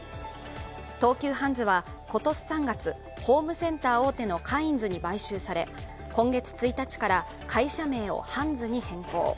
東急ハンズは今年３月、ホームセンター大手のカインズに買収され、今月１日から会社名をハンズに変更。